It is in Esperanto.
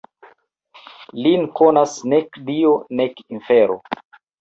Lin konas nek Dio nek infero.